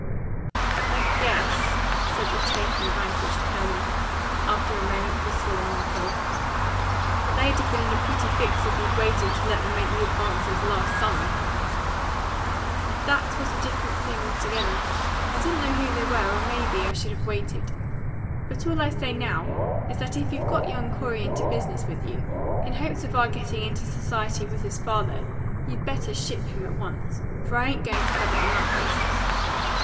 "I guess," said the chafed and vanquished Colonel, after a moment for swallowing the pill, "that they'd have been in a pretty fix if you'd waited to let them make the advances last summer." "That was a different thing altogether. I didn't know who they were, or may be I should have waited. But all I say now is that if you've got young Corey into business with you, in hopes of our getting into society with his father, you better ship him at once. For I ain't going to have it on that basis."